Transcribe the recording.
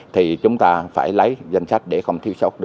thì chúng ta phải lấy danh sách để không thiếu sốc